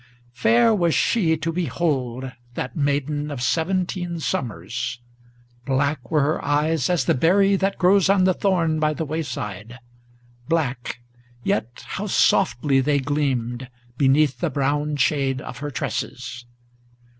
Fair was she to behold, that maiden of seventeen summers. Black were her eyes as the berry that grows on the thorn by the wayside, Black, yet how softly they gleamed beneath the brown shade of her tresses!